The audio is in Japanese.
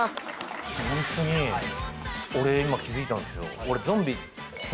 ちょっとホントに俺今気付いたんすよ。